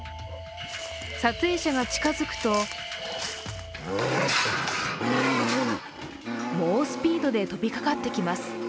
撮影者が近づくと猛スピードで飛びかかってきます。